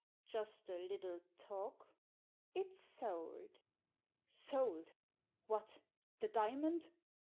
"Just a little talk; " It's sold." "Sold? What! The diamond?"